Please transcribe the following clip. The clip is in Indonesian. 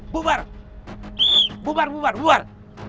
buar buar buar buar